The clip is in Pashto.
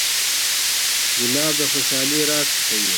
ګلاب د خوشحالۍ راز پټوي.